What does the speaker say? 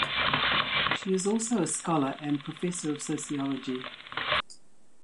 She is also a scholar and professor of sociology.